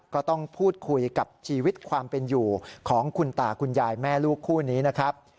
ก็ต้องพูดคุยกับชีวิตความเป็นอยู่ของคุณตาคุณยายแม่ลูกคู่นี้นะครับ